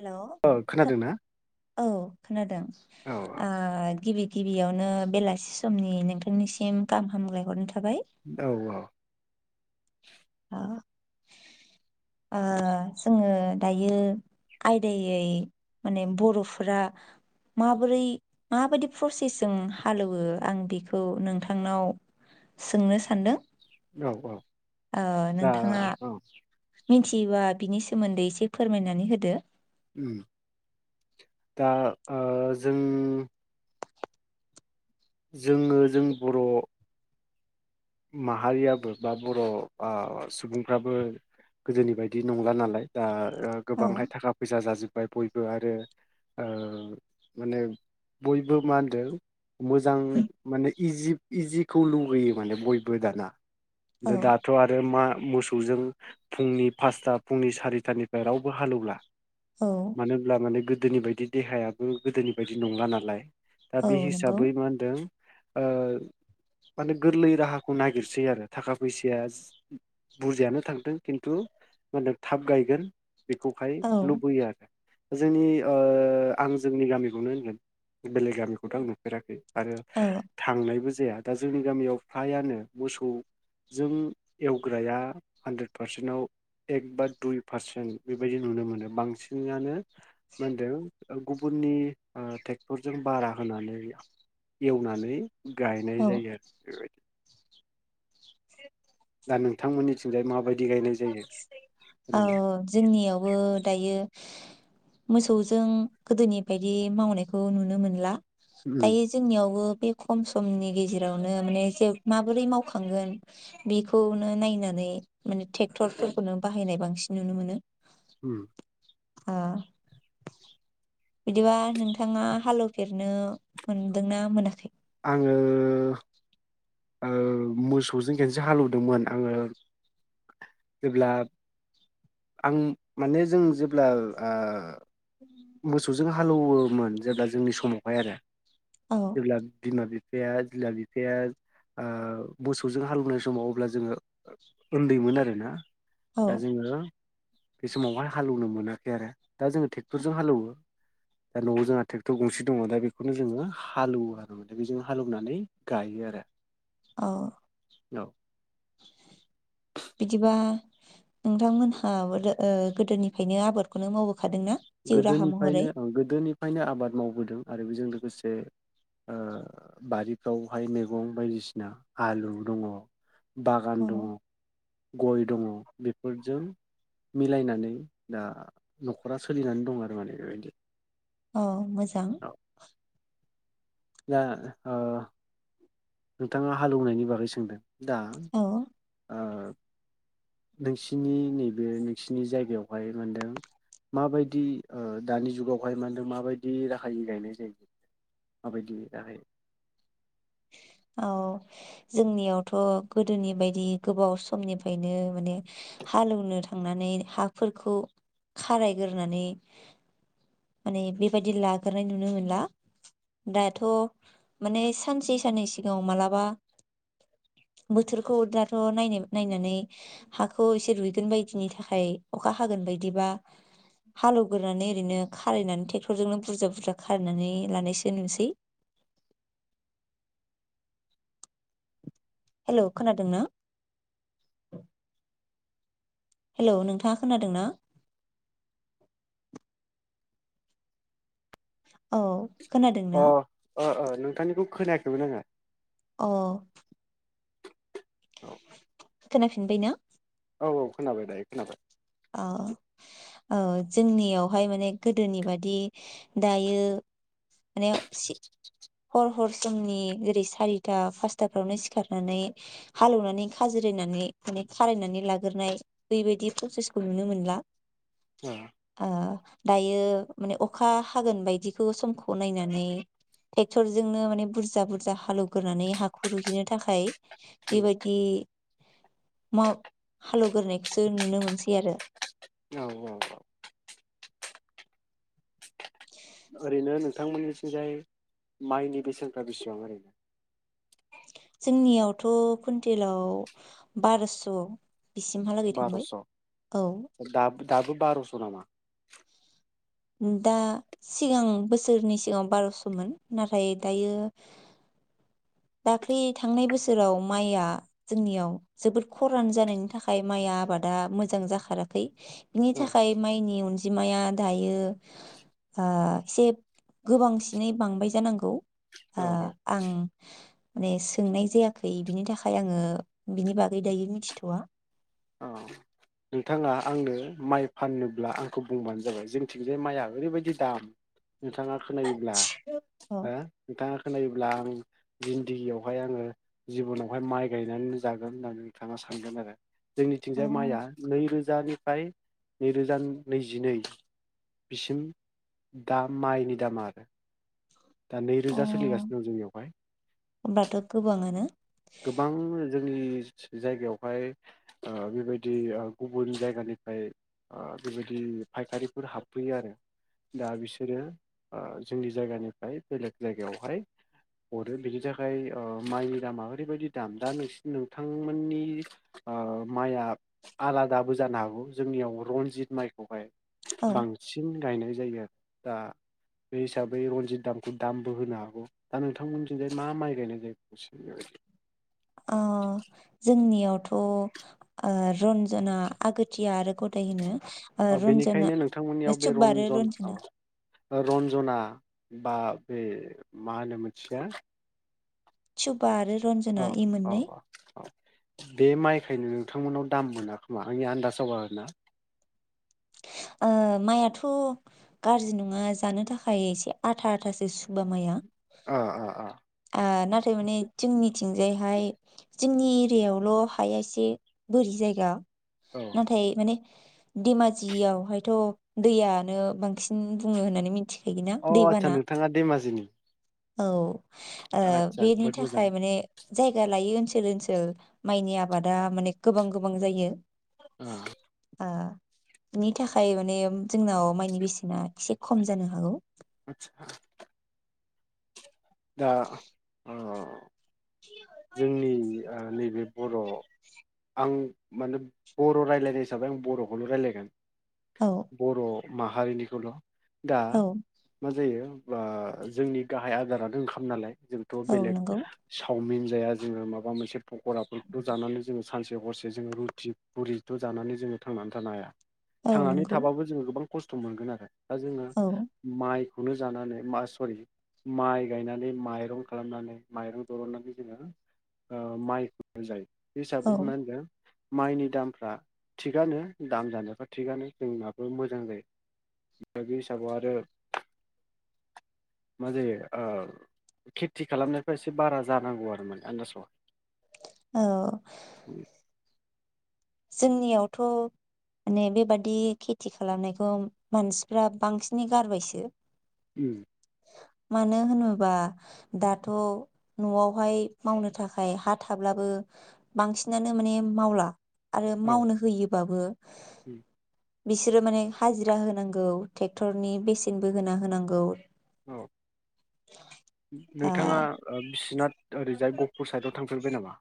हेल औ खो औ खोनादों। औ ओ गिबि गिबियावनो बेलासि समनि नोंथांनिसिम गाहाम हामलायहरनाय था औ औ ओ ओ जोङो दायो आयदायै माने बरफोरा माबोरै माबायदि प्रसेसजों हालौवो आं बेखौ नोंथांनाव सोंनो सानदों औ औ ओ दा नोंथाङा औ मिथियोबा बिनि सोमोन्दै एसे फोरमायनानै होदो ओम दा ओ जों जोङो जों बर माहारियाबो बा बर आ सुबुंफ्राबो गोदोनि बायदि नंला नालाय दा ओ औ गोबांहाय थाखा फैसा जाजोब बाय बयबो आरो ओ माने बयबो मा होनदों मोजां माने इजि इजिखौ लुबैयो माने बय बो दाना। दा औ दाथ आरो मा मोसौजों फुंनि फासथा फुंनि सारिथानिफ्राय रावबो हालौला। औ मानो होनब्ला माने‌ गो दोनि बायदि देहायाबो गोदोनि बायदि नंला नालाय दा औ बे नंगौ हिसाबै मा होनदों ओ माने गोरलै राहा खौ नागिरसै आरो थाखा फैसाया बुरजायानो थांदों खिन्थु मा होनदों थाब गायगोन बेखौहाय औ लुबैयो आरो। जोंनि ओ आं जोंनि गामिखौनो होनगोन बेलेग गामिखौथ आं नुफेराखै। आरो औ थांनायबो जाया दा जोंनि गामियाव फ्रायानो मोसौजों एवग्राया हानद्रेद पारसेन्टाव एक बा दुइ पारसेन्ट बेबायदि नुनो मोनो बांसिनानो मो होनदों गुबुननि आ ट्रेक्टरजों बारा होनानै एवनानै गायनाय औ जायो आरो बेबाय [unintelligible] दा नोंथांमोननिथिंजाय माबायदि गायनाय जायो औ ओरैनो जोंनियावबो दायो मोसौजों गोदोनि बायदि मावनायखौ नुनो मोनला। उम दायो जोंनियावबो बे खम समनि गेजेरावनो माने जे माबोरै मावखांगोन बेखौनो नायनानै मानेे टेक क्टर फोरफोरखौनो बाहायनाय बांसिन नुनो मोनो। उम ओ बिदिबा नोंथाङा हालौफेरनो मोनदोंना मोनाखै? आङो ओ मोसौजों खनसे हालौदोंमोन आङो जेब्ला आं माने जों जेब्ला आ मौसौजों हा हालौवोमोन जेब्ला जोंनि समावहाय आरो। औ जेब्ला बिमा बि फाया जेब्ला बिफाया ओ मोसौजों हालौनाय समाव अब्ला जोङो उन्दैमोन आरो ना। औ दा जोंङो बे समावहाय हालौनो मोनाखै आरो दा जोङोे टेक क्टरजों हालौवो दा नआव जोंहा ट्रेक्टर गंसे दङ दा बेखौनो जोङो हालौवो आरो माने बेजों हालौनानै गायो आरो। औ औ बिदिबा नोंथांमोनहाबो ओ गोदोनिफ्रायनो आबादखौनो मावो। गोदोनिफ्रायनो ओ गोदोनिफ्रायनो आबाद मावबोदों आरो बेजों लोगोसे ओ बारिफ्रावहाय मैगं बायदिसिना आलु दङ' बागान दङ' औ गय दङ' बेफोरजों मिलायनानै दा न'खरा सो सोलिनानै दं आरो माने बेबायदि औ मोजा जां औ दा ओ नोंथाङा हालौवनायनि बागै सोंदों दा औ ओ नोंसिनि नैबे नोंसिनि जायगायावहाय मोनदों माबायदि ओ दानि जुगावहाय मा होनदों माबायदि राहायै गायनाय जायो माबायदि राहायै औ जोंनियावथ' गोदोनि बायदि गोबाव समनिफ्रायनो माने हालौवनो थांनानै हाफोरखौ खारायग्रोनानै माने बेबायदि लाग्रोनाय नुनो मोनला दाथ' माने सानसे साननै सिगाङाव मालाबा बोथोरखौ दाथ' नाय-नायनानै हाखौ एसे रुइगोन बायदिनि थाखाय अखा हागोन बायदिबा हालौवग्रोनानै ओरैनो खारायनानै ट्रेक्टरजोंनो बुरजा बुरजा खारायनानै लानायसो नुसै। हेलौ खोनादों ना हेलौ नोंथाङा खोनादों ना औ खोनादों अ ओ ना ओ नोंथांनिखौ खोनायाखैमोन आङो। अ [inaudible] खोनाफिनबाय ना औ औ खोनाबाय दायो खोनाबाय औ औ ओ जोंनियावहाय माने गोदोनि बादि दायो माने सि हर हर समनि जेरै सारिथा पासताफ्रावनो सिखारनानै हालेवनानै खाज्रायनानै माने खारायनानै लाग्रोनाय बेबायदि प्रसेसखौ नुनो मोनला। औ आ दायो माने अखा हागोन बायदिखौ समखौ नायनानै ट्रेक्टरजोंनो माने बुरजा बुरजा हालेवग्रानै हाखौ रुहैनो थाखाय बेबायदि माव-हालेवग्रोनायखौसो नुनो मोनसै आरो। औ औ औ ओरैनो नोंथांमोननिथिंजाय माइनि बेसेनफ्रा बेसेबां ओरैनो। जोंनियावथ' कुइन्टेलाव बारस' बिसिमहालागै थांबाय बार'स' औ दा दाबो बारस' नामा दा सिगां बोसोरनि सिगां बारस'मोन नाथाय दायो दाख्लि थांनाय बोसोराव माइआ जोंनियाव जोबोद खरान जानायनि थाखाय माइया आबादा मोजां जाखाराखै। बिनि औ थाखाय माइनि अन बिमाया दायो एसे गोबांसिनै बांबाय जानांगौ औ आं माने सोंनाय जायाखै बिनि थाखाय आङो बिनि बागै दायो मिथिथवा औ नोंथाङा आंनो माइ फाननोब्ला आंखौ बुंबानो जाबाय जोंथिंजाय माइआ ओरैबायदि दाम। नोंथाङा खोनायोब्ला अ हो नोंथाङा खोनायोब्ला आं जिन्दगियावहाय आङो जिबनावहाय माइ गायनानै जागोन होननानै नोंथाङा सानगोन आरो जोंनिथिंजाय अ माइया नैरोजानिफ्राय नैरोजा नैजिनै बिसिम दा माइनि दामा आरो दा अ नैरोजा सोलिगासिनो दं जोंनियावहाय। होमबाथ' गोबाङानो गोबां जोंनि जायगायावहाय ओ बेबायदि ओ गुबुन जायगानिफ्राय आ बेबायदि फायखारिफोर हाबफैयो आरो दा बिसोरो आ जोंनि जायगानि बेलेग जायगायावहाय हरो बिनि थाखाय माइनि दामा ओरैबायदि दाम दा नोंसि नोंथांमोननि ओ माइया आलादाबो जानो हागौ जोंनियाव रनजित माइखौहाय औ बांसिन गायनाय [unintelligible] दा बे हिसाबै रनजित दामखौ दामबो होनो हागौ दा नोंथांमोनथिं जाय मा माइ गायनाय जायो बेबायदि? अ जोंनियाव थ' ओ रन्जना, आगोरथिया आरो गदाय होनो ओ औ रन्जना बेनिखायनो नोंथांमोननियाव बे सुबबा आरो रन्जन रन्जना औ रन्जना बा बे मा होनो मिथिया सुबबा आरो रन्जना इ मोननै बेनिखायनो नोंथांमोननाव दाम मोना खोमा? आंनि आन्दाजाव आरो ना ओ माइआथ' गाज्रि नङा जानो थाखाय एसे आथा- आथासो सुबबा माइया ओ, आ-आ नाथाय माने जोंनिथिंजायहाय जोंनि एरियायावल हाया एसे बोरि जायगा औ नाथाइ माने धेमाजि यावहायथ' दैयानो बांसिन बुङो होननानै मिथियो। अ आतसा नोंथाङा धेमाजिनि? औ ओ आदसा बेनि जोबोद मोजां थाखाय माने जायगा लायो ओनसोल ओनसोल माइनि आबादा माने गोबां गोबां जायो। ओ ओ नि थाखाय माने जोंनाव माइनि बेसेना एसे खम जानो हागौ। आतसा दा ओ [inaudible] जोंनि ओ नैबे बर' आं माने बर' रायजलायनाय हिसाबै आं बर'खौल रायलायगोन। औ बर' माहारिनिखौल दा औ मा जायो बा जोंनि गाहाय आदारानो ओंखाम नालाय, जोंथ औ बेलेग नंगौ चावमिन जाया जोङो माबा मोनसे पकराफोरखौ जानानै जोङो सानसे हरसे जोङो रुथि पुरिथ जानानै जोङो थांनानै थानो हाया। औ थांनानै नंगौ थाबाबो जोङो गोबां खस्थ मोनगोन आरो। दा जोङो औ माइ खौनो जानानै, मा सरि माइ गायनानै माइरं खालामनानै माइरं दरननानै ओ माइ [inaudible] जायो। बि औ हिसाबै मा होनदों माइनि दामफ्रा थिगानो, दाम जानायफ्रा थिगानो जोंनाबो मोजां जायो। [inaudible] बे हिसाबाव आरो मा जायो ओ खेथि खालामनायखो इसे बारा जा नांगौ आरो माने आन्दासाव औ। उम जोंनियावथ माने बेबादि खेथि खालामनायखौ मानसिफ्रा बांसिनै गारबायसो। उम। मानो होनोबा दाथ नआवहाय मावनो थाखाय हा थाब्लाबो बांसिनानो माने मावला। आरो औ मावनो होयोबाबो उम बिसोरो माने हाजिरा होनांगौ ट्रेक्टरनि बेसेनबो होना होनांगौ औ। आ नोंथाङा बिसिनाथ ओरैजाय गहपुर साइदआव थांफेरबाय नामा?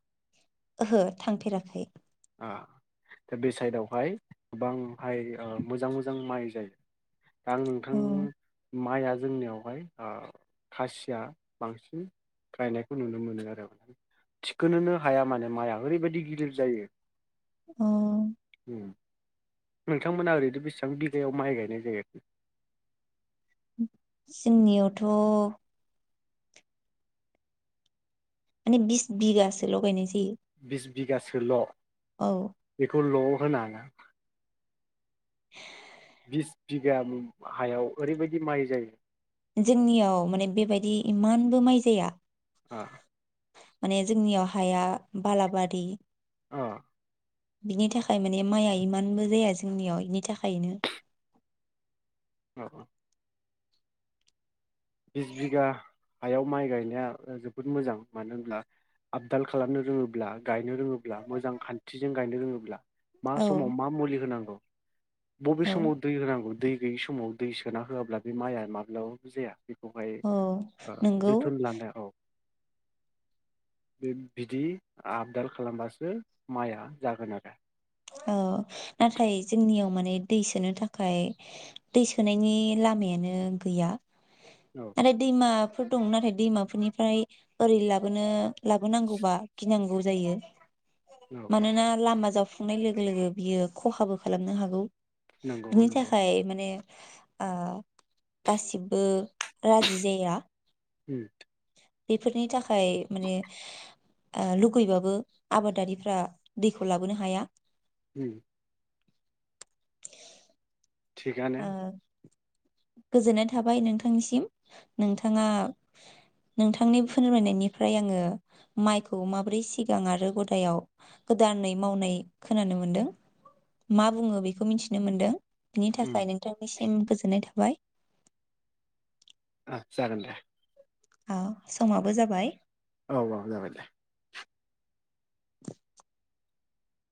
ओहो थांफेराखै। दा बे साइदावहाय गोबांहाय ओ मोजां मोजां माइ जायो। दा आं नोंथां उम माइआ जोंनियावहाय ओ खासिया बांसिन गायनायखौ नुनो मोनो आरो। थिखोनोनो हाया माने माइआ ओरैबायदि गिलिर जायो। अ। उम। नोंथांमोना ओरैनो बेसेबां बिघायाव माइ गायनाय जायो? जोंनियावथ माने बिस बिघासे लगायनाय जायो। बिस बिगासोल। औ बेखौल। होना। [inaudible] बिस बिगा हायाव ओरैबायदि माइ जायो। जोंनियाव माने बेबायदि इमानबो माइ जाया। ओ। माने जोंनियाव हाया बालाबारि ओ। बिनि थाखाय माने माइया इमानबो जाया जोंनियाव बेनि थाखायनो। औ औ बिस बिगा हायाव माय गायनाया जोबोद मोजां मानो होनब्ला आबदाल खालामनो रोंङोब्ला गायनो रोंङोब्ला मोजां खान्थिजों गायनो रोंङोब्ला मा औ समाव मा मुलि होनांगौ बबे औ समाव दै होनांगौ दै बै समाव दै सोना होआब्ला बे मायआ माब्लाबाबो जाया। बेवहाय औ ओ नंगौ जोथोन लाना बे बिदि आबदाल खालामबासो मायआ जागोन आरो औ नाथाय जोंनियाव माने दै सोनो थाखाय दै सोनायनि लामायानो गैया। औ आरो दैमा फोर दं नाथाय दैमाफोरनिफ्राय ओरै लाबोनो लाबोनांगौबा गिनांगौ जायो। औ औ मानोना लामा जा संनाय लोगो-लोगो बियो खहाबो खालामनो हागौ। नंगौ बिनि नंगौ थाखाय माने ओ गासिबो राजि जाया। अम बेफोरनि थाखाय माने लुगैबाबो आबादारिफ्रा दैखौ लाबोनो हाया। अम [inaudible] थिगयानो ओ गोजोननाय थाबाय नोंथांनिसिम नोंथाङा नोंथांनि फोरमायनायनिफ्राय आंङो मायखौ माबोरै सिगां आरो गदायाव गोदानै मावनाय खोनानो मोनदों मा बुंङो बेखौ मिथिनो मोनदों। बिनि था उम खाय नोंथांनिसिम गोजोननाय थाबाय। आ जागोन दे आ समाबो जाबाय औ औ जाबाय दे